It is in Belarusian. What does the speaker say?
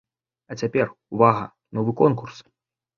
А цяпер, увага, новы конкурс!